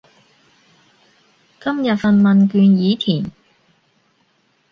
今日份問卷已填